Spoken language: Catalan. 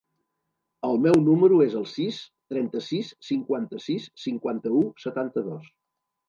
El meu número es el sis, trenta-sis, cinquanta-sis, cinquanta-u, setanta-dos.